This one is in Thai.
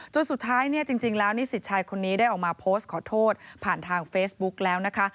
สุดท้ายเนี่ยจริงแล้วนิสิตชายคนนี้ได้ออกมาโพสต์ขอโทษผ่านทางเฟซบุ๊กแล้วนะคะ